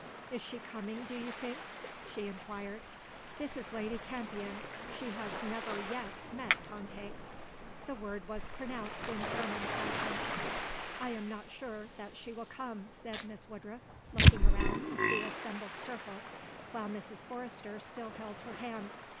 Is she coming, do you think?" she inquired. "This is Lady Campion; she has never yet met Tante." The word was pronounced in German fashion. "I am not sure that she will come," said Miss Woodruff, looking around the assembled circle, while Mrs. Forrester still held her hand.